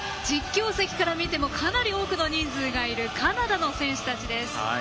実況席から見てもかなり多くの人数がいるカナダの選手たちです。